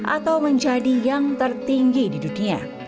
atau menjadi yang tertinggi di dunia